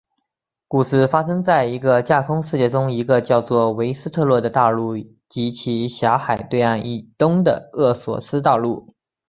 故事发生在一个架空世界中一个叫做维斯特洛的大陆及其狭海对岸以东的厄索斯大陆。